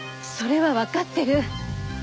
それはわかってる。